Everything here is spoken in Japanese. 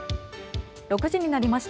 ６時になりました。